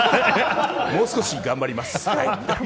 もう少し頑張ります。